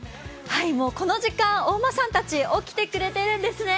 この時間お馬さんたち起きてくれているんですね。